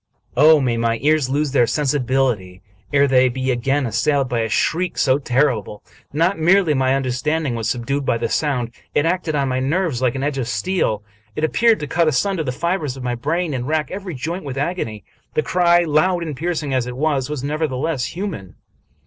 Oh, may my ears lose their sensibility ere they be again assailed by a shriek so terrible ! Not merely my understanding was subdued by the sound ; it acted on my nerves like an edge of steel. It appeared to cut asunder the fibers of my brain and rack every joint with agony. The cry, loud and piercing as it was, was nevertheless hu man.